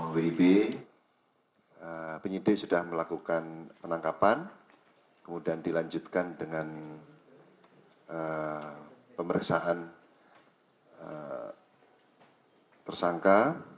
wib penyidik sudah melakukan penangkapan kemudian dilanjutkan dengan pemeriksaan tersangka